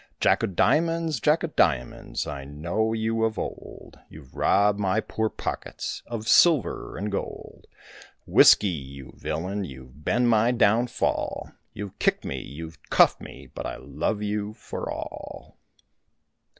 Jack o' diamonds, Jack o' diamonds, I know you of old, You've robbed my poor pockets Of silver and gold. Whiskey, you villain, You've been my downfall, You've kicked me, you've cuffed me, But I love you for all.